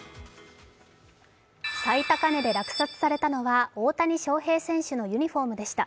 最高値で落札されたのは大谷翔平選手のユニフォームでした。